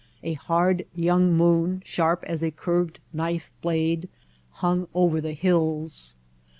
A hard young moon, sharp as a curved knife blade, hung over the hills.